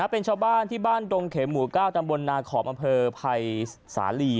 เป็นชาวบ้านที่บ้านดงเข็มหมู่๙ตำบลนาขอบอำเภอภัยสาลี